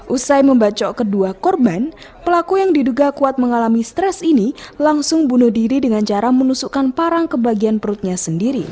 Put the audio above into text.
usai membacok kedua korban pelaku yang diduga kuat mengalami stres ini langsung bunuh diri dengan cara menusukkan parang ke bagian perutnya sendiri